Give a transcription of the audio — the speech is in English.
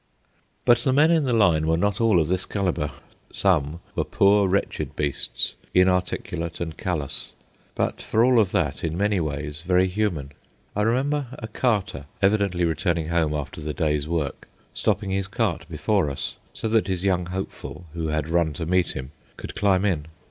But the men in the line were not all of this calibre. Some were poor, wretched beasts, inarticulate and callous, but for all of that, in many ways very human. I remember a carter, evidently returning home after the day's work, stopping his cart before us so that his young hopeful, who had run to meet him, could climb in.